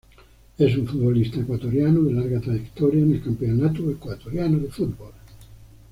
Es un futbolista ecuatoriano de larga trayectoria en el Campeonato Ecuatoriano de Fútbol.